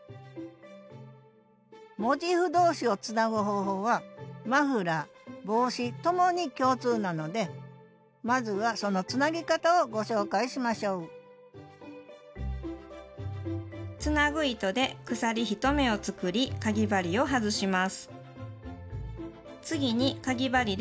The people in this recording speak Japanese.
モチーフ同士をつなぐ方法はマフラー帽子ともに共通なのでまずはそのつなぎ方をご紹介しましょうつなぐ糸で鎖１目を作りかぎ針を外します。